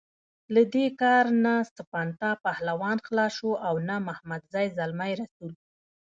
له دې کار نه سپنتا پهلوان خلاص شو او نه محمدزی زلمی رسول.